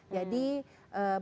jadi batan itu punya rencana